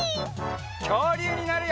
きょうりゅうになるよ！